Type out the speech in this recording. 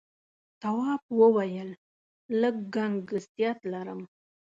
تواب وويل: لږ گنگسیت لرم.